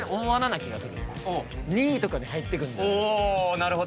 おなるほど。